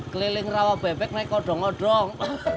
keliling rawa bebek naik kodong kodong